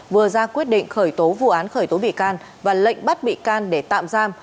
vừa ra quyết định khởi tố vụ án khởi tố bị can và lệnh bắt bị can để tạm giam